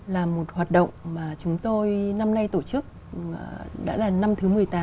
là một hoạt động mà chúng tôi năm nay tổ chức đã là năm thứ một mươi tám